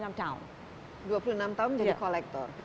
dua puluh enam tahun menjadi collector